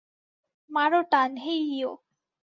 মারো টান হেইয়ো।